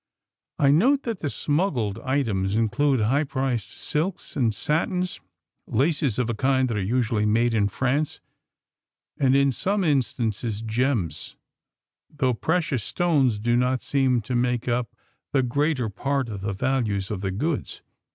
^^ I note that the smuggled items include high priced silks and satins, laces of a kind that are usually made in France, and in some instances gems, though precious stones do not seem to make up the greater part of the values of the goods.